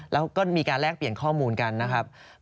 แล้วก็มีการแลกเปลี่ยนข้อมูลกันนะครับ